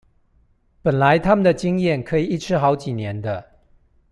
本來他們的經驗可以一吃好幾年的